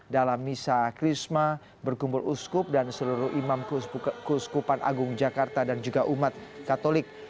dalam misa krisma berkumpul uskup dan seluruh imam kuskupan agung jakarta dan juga umat katolik